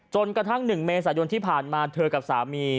จนกระทั่ง๑เมษายนที่ผ่านมาเธอกับสามี